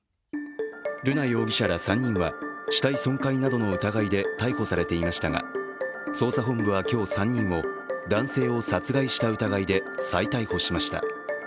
瑠奈容疑者ら３人は死体損壊などの疑いで逮捕されていましたが、捜査本部は今日、３人を男性を殺害した疑いで再逮捕しました。